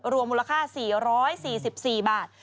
รวมมูลค่า๔๔บาท